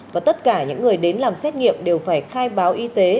và tất cả những người đến làm xét nghiệm đều phải khai báo y tế